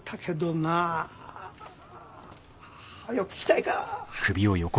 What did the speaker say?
はよ聞きたいか？